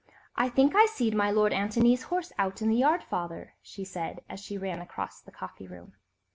"I think I see'd my Lord Antony's horse out in the yard, father," she said, as she ran across the coffee room.